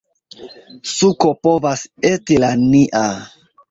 Suko povas esti la nia